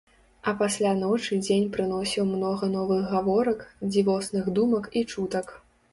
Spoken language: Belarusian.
А пасля ночы дзень прыносіў многа новых гаворак, дзівосных думак і чутак.